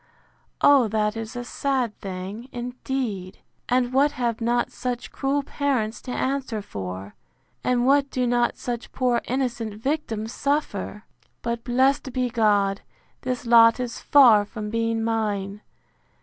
O that is a sad thing, indeed!—And what have not such cruel parents to answer for! And what do not such poor innocent victims suffer!—But, blessed be God, this lot is far from being mine!